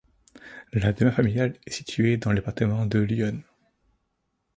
La demeure familiale est située dans le département de l'Yonne.